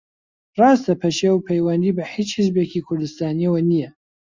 ڕاستە پەشێو پەیوەندی بە ھیچ حیزبێکی کوردستانییەوە نییە